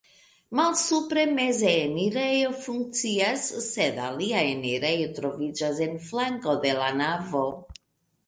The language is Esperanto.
Malsupre meze enirejo funkcias, sed alia enirejo troviĝas en flanko de la navo.